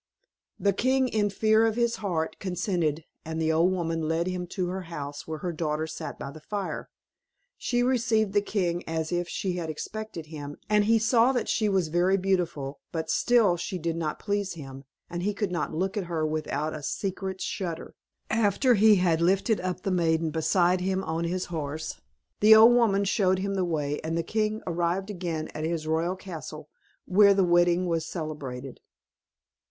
The king, in the fear of his heart, consented, and the old woman led him to her house, where her daughter sat by the fire. She received the king as if she had expected him, and he saw that she was very beautiful; but still she did not please him, and he could not look at her without a secret shudder. After he had lifted up the maiden beside him on his horse, the old woman showed him the way, and the king arrived again at his royal castle, where the wedding was celebrated.